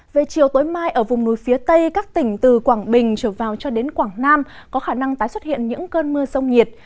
về chiều tối mai ở vùng núi phía tây các tỉnh từ quảng bình trở vào cho đến quảng nam có khả năng tái xuất hiện những cơn mưa sông nhiệt